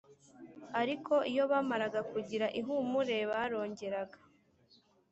Ariko iyo bamaraga kugira ihumure barongeraga